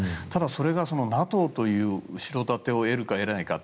それがＮＡＴＯという後ろ盾を得るのか、得ないのか。